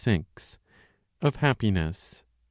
Of Happiness. i.